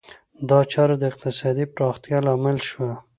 دا چاره د اقتصادي پراختیا لامل شوه.